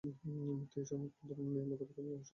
মৃত্যুর এ সময়কাল এবং ধরন নিয়ে মতভেদ এবং রহস্য এখনো আছে।